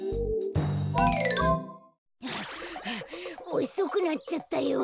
おそくなっちゃったよ。